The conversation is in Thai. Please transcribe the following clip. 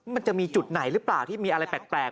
มันจะมีจุดไหนหรือเปล่าที่มีอะไรแปลก